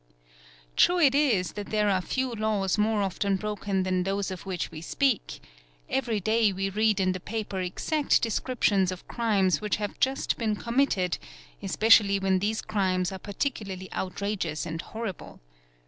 True it is that there are few laws more often broken than those of which we speak: every day we read in the paper exact descriptions of crimes which have just bee! committed, especially when these crimes are particularly outrageous am horrible.